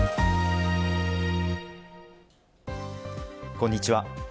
こんにちは。